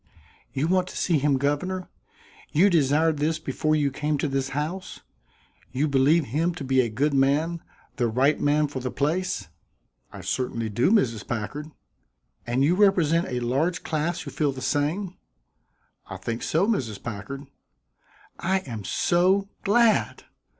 "You want to see him governor? You desired this before you came to this house? You believe him to be a good man the right man for the place?" "I certainly do, Mrs. Packard." "And you represent a large class who feel the same?" "I think so, Mrs. Packard." "I am so glad!"